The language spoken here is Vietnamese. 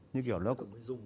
như kiểu lúc